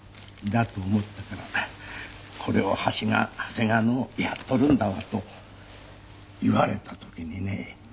「だと思ったからこれを長谷川のをやっとるんだわ」と言われた時にね